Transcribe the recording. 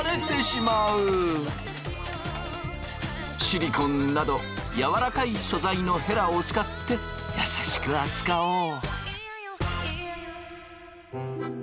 シリコンなど軟らかい素材のヘラを使って優しく扱おう。